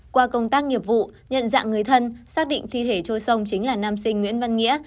qua công tác nghiệp vụ nhận dạng người thân xác định thi thể trôi sông chính là nam sinh nguyễn văn nghĩa